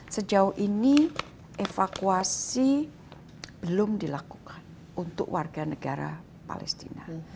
sejauh ini evakuasi belum dilakukan untuk warga negara palestina